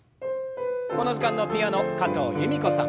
この時間のピアノ加藤由美子さん。